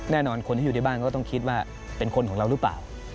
คนที่อยู่ในบ้านก็ต้องคิดว่าเป็นคนของเราหรือเปล่า